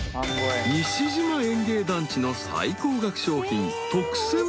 ［西島園芸団地の最高額商品］